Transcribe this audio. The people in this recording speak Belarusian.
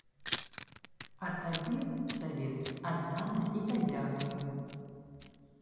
А табе савет аддана і падзякуе.